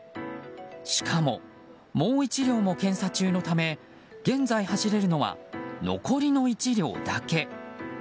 しかも、もう１両も検査中のため現在走れるのは残りの１両だけ。